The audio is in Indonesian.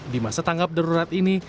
di masa tanggap darurat ini